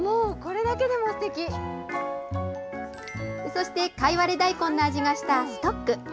そして、カイワレ大根の味がしたストック。